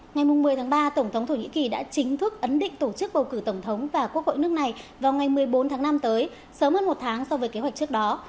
ngày một mươi tháng ba tổng thống thổ nhĩ kỳ đã chính thức ấn định tổ chức bầu cử tổng thống và quốc hội nước này vào ngày một mươi bốn tháng năm tới sớm hơn một tháng so với kế hoạch trước đó